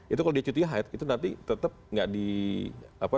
itu kalau dia cuti haid itu nanti tetap tidak dihilangkan